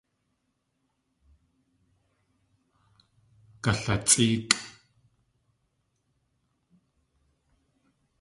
Galatsʼéekʼ!